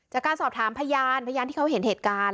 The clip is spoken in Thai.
จากการสอบถามพยานพยานที่เขาเห็นเหตุการณ์